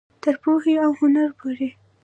تر پوهې او هنره پورې.